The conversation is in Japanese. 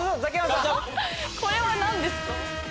これは何ですか？